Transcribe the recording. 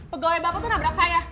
pegawai bapak tuh nabrak saya